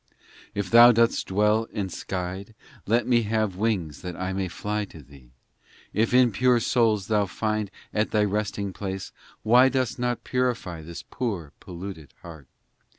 IX If Thou dost dwell enskied, Let me have wings that I may fly to Thee If in pure souls Thou find st Thy resting place Why dost not purify this poor polluted heart